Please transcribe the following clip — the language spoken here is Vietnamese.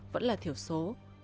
vẫn là thiểu số